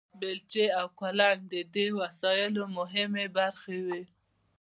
بیلچې او کلنګ د دې وسایلو مهمې برخې وې.